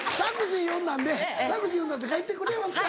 タクシー呼んだんで帰ってくれますか？